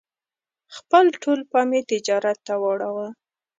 خپل ټول پام یې تجارت ته واړاوه.